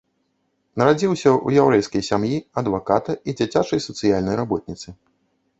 Нарадзіўся ў яўрэйскай сям'і адваката і дзіцячай сацыяльнай работніцы.